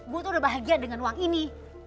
bu tuh udah bahagia dengan uang ini